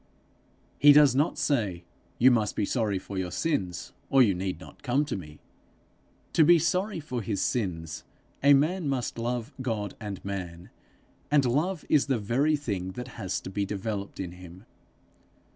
He does not say, 'You must be sorry for your sins, or you need not come to me:' to be sorry for his sins a man must love God and man, and love is the very thing that has to be developed in him.